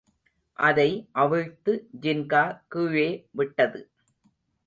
அதை அவிழ்த்து ஜின்கா கீழே விட்டது.